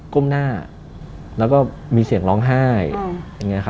ก้มหน้าแล้วก็มีเสียงร้องไห้